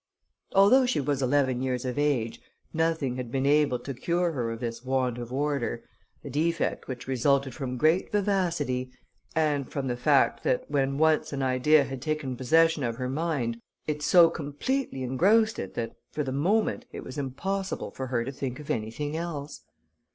Although she was eleven years of age, nothing had been able to cure her of this want of order, a defect which resulted from great vivacity, and from the fact, that when once an idea had taken possession of her mind, it so completely engrossed it that, for the moment, it was impossible for her to think of anything else.